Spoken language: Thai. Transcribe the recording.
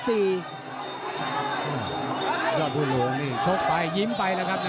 อ้าวยอดภูหลวงนี่ชดไปยิ้มไปล่ะครับ